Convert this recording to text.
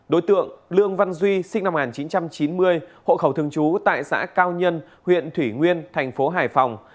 đối tượng lương văn duy sinh năm một nghìn chín trăm chín mươi hộ khẩu thường trú tại xã cao nhân huyện thủy nguyên thành phố hải phòng